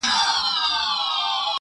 ولي مي هره شېبه هر ساعت پر اور کړوې.